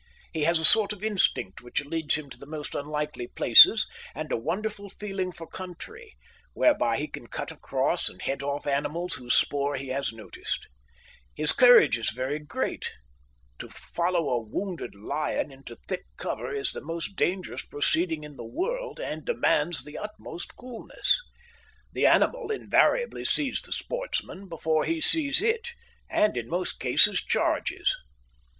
He has a sort of instinct which leads him to the most unlikely places, and a wonderful feeling for country, whereby he can cut across, and head off animals whose spoor he has noticed. His courage is very great. To follow a wounded lion into thick cover is the most dangerous proceeding in the world, and demands the utmost coolness. The animal invariably sees the sportsman before he sees it, and in most cases charges.